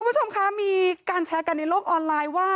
คุณผู้ชมคะมีการแชร์กันในโลกออนไลน์ว่า